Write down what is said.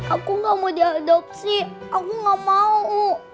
aku gak mau diadopsi aku gak mau